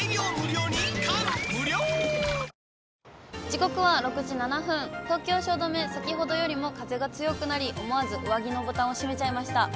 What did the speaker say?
時刻は６時７分、東京・汐留、先ほどよりも風が強くなり、思わず上着のボタンを閉めちゃいました。